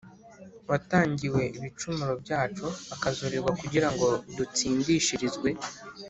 Watangiwe ibicumuro byacu, akazurirwa kugira ngo dutsindishirizwe.